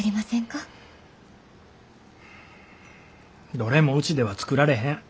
どれもうちでは作られへん。